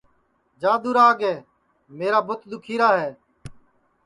جا دؔورا آگے میرا بُوت دُؔکھیرا